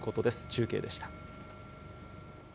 中継でした。